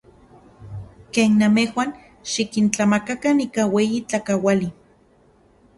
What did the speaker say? Ken namejuan, xikintlamakakan ika ueyi tlakauali.